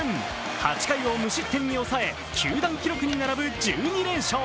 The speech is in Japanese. ８回を無失点に抑え球団記録に並ぶ１２連勝。